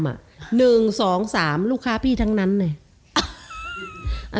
คือ๑๒๓ลูกค้าพี่ทั้งนั้นนี่